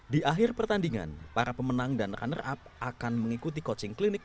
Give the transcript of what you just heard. di akhir pertandingan para pemenang dan runner up akan mengikuti coaching klinik